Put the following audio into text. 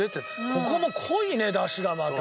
ここも濃いね出汁がまた。